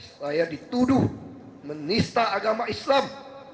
saya dituduh menista agama islam